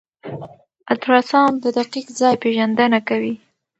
الټراساؤنډ د دقیق ځای پېژندنه کوي.